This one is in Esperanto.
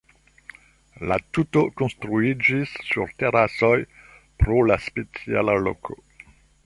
La tuto konstruiĝis sur terasoj, pro la speciala loko.